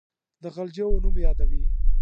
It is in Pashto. د غلجیو نوم یادوي.